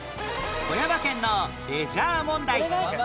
富山県のレジャー問題